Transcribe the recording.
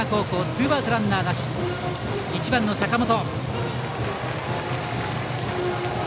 ツーアウトランナーなしで１番の坂本。